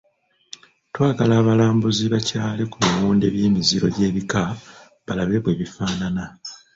Twagala abalambuzi bakyale ku biwunde by'emiziro gy'ebika balabe bwe bifaanana.